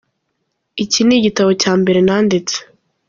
Iki ni igitabo cya mbere nanditse.